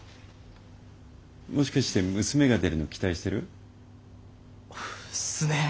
もしかして娘が出るの期待してる？っすねえ。